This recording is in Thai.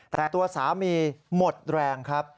แต่ตัวสามีหมดแรงครับ